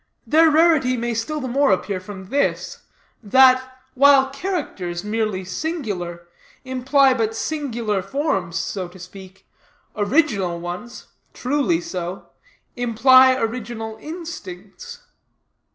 Their rarity may still the more appear from this, that, while characters, merely singular, imply but singular forms so to speak, original ones, truly so, imply original instincts.